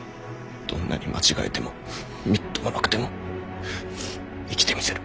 どんなに間違えてもみっともなくても生きてみせる。